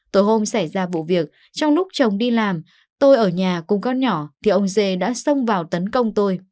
tối hôm xảy ra vụ việc trong lúc chồng đi làm tôi ở nhà cùng con nhỏ thì ông dê đã xông vào tấn công tôi